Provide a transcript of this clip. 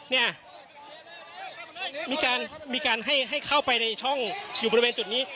เนี่ยมีการให้เข้าไปในช่องอยู่บริเวณจุดนี้